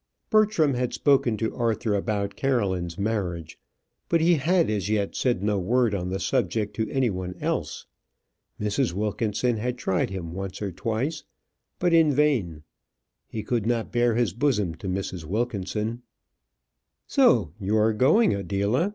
Bertram had spoken to Arthur about Caroline's marriage, but he had as yet said no word on the subject to any one else. Mrs. Wilkinson had tried him once or twice, but in vain. He could not bare his bosom to Mrs. Wilkinson. "So you are going, Adela?"